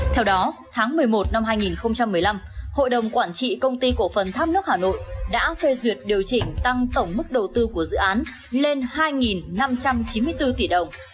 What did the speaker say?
theo đó tháng một mươi một năm hai nghìn một mươi năm hội đồng quản trị công ty cổ phần tháp nước hà nội đã phê duyệt điều chỉnh tăng tổng mức đầu tư của dự án lên hai năm trăm chín mươi bốn tỷ đồng